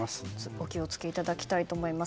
お気を付けいただきたいと思います。